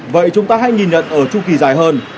vậy chúng ta hãy nhìn nhận ở chu kỳ dài hơn